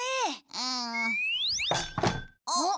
うん。おっ？